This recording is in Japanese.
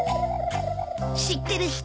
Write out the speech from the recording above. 知ってる人？